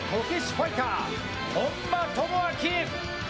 ファイター本間朋晃！